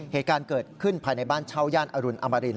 เหตุการณ์เกิดขึ้นภายในบ้านเช่าย่านอรุณอมริน